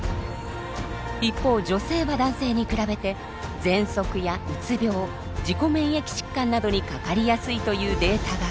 一方女性は男性に比べてぜんそくやうつ病自己免疫疾患などにかかりやすいというデータが。